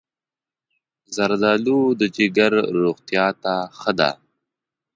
زردالو د جگر روغتیا ته ښه ده.